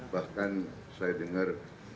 bahkan saya dengar